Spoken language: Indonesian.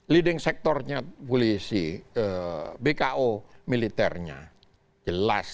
leading sectornya polisi bko militernya jelas